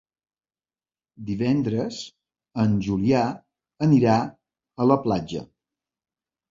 Divendres en Julià anirà a la platja.